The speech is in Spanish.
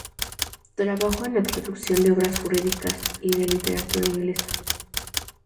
Trabajó en la traducción de obras jurídicas y de literatura inglesa.